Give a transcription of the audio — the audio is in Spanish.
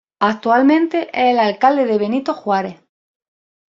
Actualmente es el Alcalde de Benito Juárez.